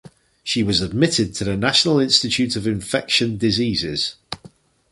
She was admitted to the National Institute of Infection Diseases.